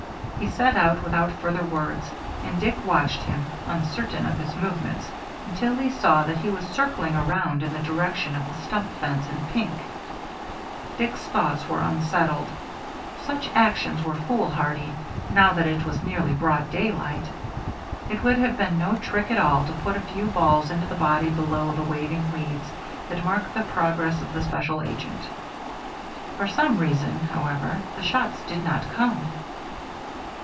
He set out without further words, and Dick watched him, uncertain of his movements, until he saw that he was circling around in the direction of the stump fence and Pink. Dick's thoughts were unsettled. Such actions were foolhardy, now that it was nearly broad daylight. It would have been no trick at all to put a few balls into the body below the waving weeds that marked the progress of the special agent. For some reason, however, the shots did not come.